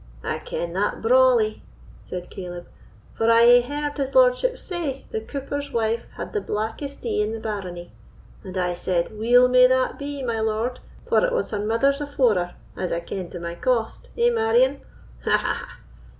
"I ken that brawly," said Caleb, "for I hae heard his lordship say the cooper's wife had the blackest ee in the barony; and I said, 'Weel may that be, my lord, for it was her mither's afore her, as I ken to my cost.' Eh, Marion? Ha, ha, ha!